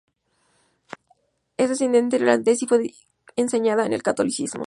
Es descendiente de irlandeses, y fue enseñada en el Catolicismo.